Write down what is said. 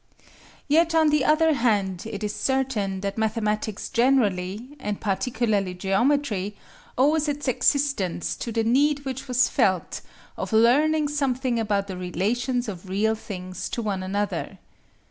Yet on the other hand it is certain that mathematics generally, and particularly geometry, owes its existence to the need which was felt of learning something about the relations of real things to one another.